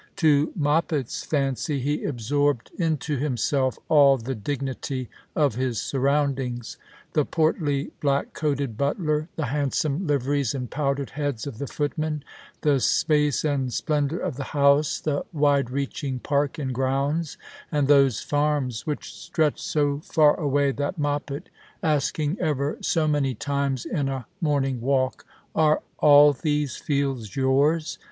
To Moppet's fancy he absorbed into himself all the dignity of his surroundings — the portly black coated butler, the handsome liveries and powdered heads of the footmen, the space and splendour of the house, the wide reaching park and grounds, and those farms which stretched so far away that Moppet, asking ever so many times in a morning walk, " Are all these fields yours